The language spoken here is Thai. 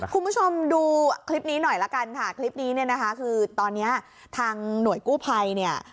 คุณผู้ชมดูคลิปนี้หน่อยละกันค่ะคลิปนี้เนี่ยนะคะคือตอนนี้ทางหน่วยกู้ภัยเนี่ย